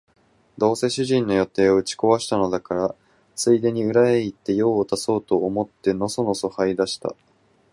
どうせ主人の予定は打ち壊したのだから、ついでに裏へ行って用を足そうと思ってのそのそ這い出した